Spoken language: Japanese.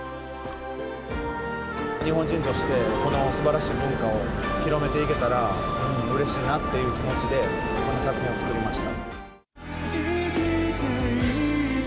日本人として、このすばらしい文化を広めていけたらうれしいなっていう気持ちで、この作品を作りました。